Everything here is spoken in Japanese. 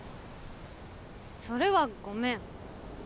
それはごめん。